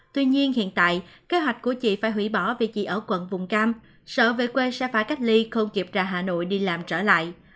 tuy nhiên hiện tại kế hoạch của chị phải hủy bỏ vì chỉ ở quận vùng cam sở về quê sẽ phải cách ly không kịp ra hà nội đi làm trở lại